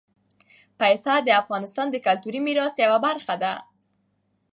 پسه د افغانستان د کلتوري میراث یوه برخه ده.